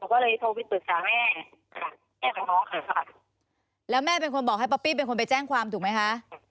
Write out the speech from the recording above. ผมก็เลยโทรไปตรวจสาวแม่แล้วแม่เป็นคนบอกให้ป๊อปปี้เป็นคนไปแจ้งความถูกไหมคะ